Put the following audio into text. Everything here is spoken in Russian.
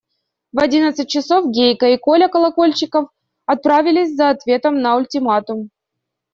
В одиннадцать часов Гейка и Коля Колокольчиков отправились за ответом на ультиматум.